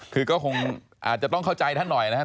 คือก็คงอาจจะต้องเข้าใจท่านหน่อยนะครับ